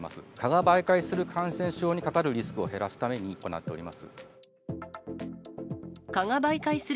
蚊が媒介する感染症にかかるリスクを減らすために行っております。